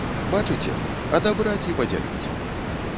Бачыце, адабраць і падзяліць!